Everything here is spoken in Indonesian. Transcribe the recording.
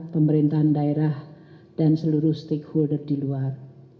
pemerintahan daerah dan seluruh stakeholder di luar